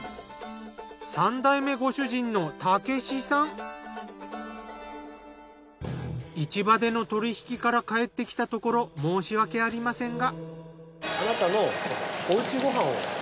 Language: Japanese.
３代目市場での取り引きから帰ってきたところ申し訳ありませんが。